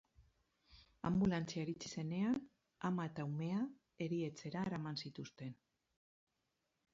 Anbulantzia iritsi zenean, ama eta umea erietxera eraman zituzten.